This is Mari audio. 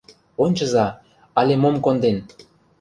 — Ончыза, але мом конден!